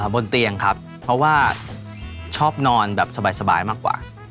บนเตียงครับเพราะว่าชอบนอนแบบสบายมากกว่า